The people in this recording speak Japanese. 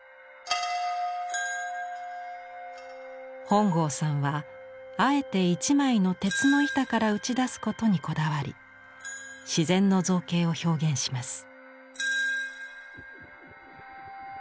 本郷さんはあえて一枚の鉄の板から打ち出すことにこだわり自然の造形を表現します。